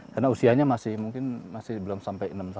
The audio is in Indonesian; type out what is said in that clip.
karena usianya mungkin masih belum sampai